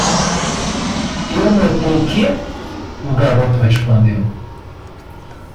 "Eu notei que?" o garoto respondeu.